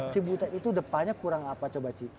cibutet itu depannya kurang apa coba ci